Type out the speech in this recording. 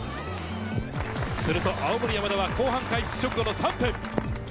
すると青森山田は後半開始直後の３分。